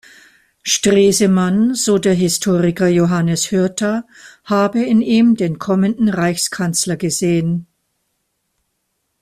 Stresemann, so der Historiker Johannes Hürter, habe in ihm den kommenden Reichskanzler gesehen.